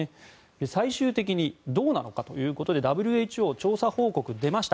最終的にどうなのかということでＷＨＯの調査報告出ました。